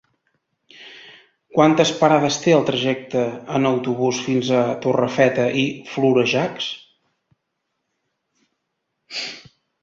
Quantes parades té el trajecte en autobús fins a Torrefeta i Florejacs?